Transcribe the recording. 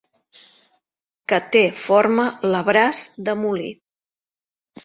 Que té forma la braç de molí.